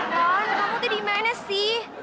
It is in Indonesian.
don kamu tuh di manage sih